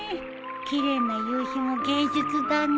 奇麗な夕日も芸術だね。